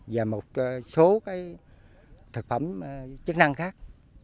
và một số cái thực phẩm chức năng khác